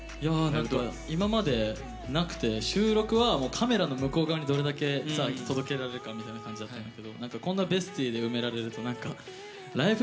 今までなくて収録はカメラの向こう側にどれだけ届けられるかみたいな感じだったんだけどこんなＢＥＳＴＹで埋められるとライブ？